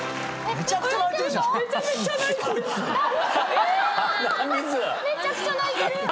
めちゃくちゃ泣いてる。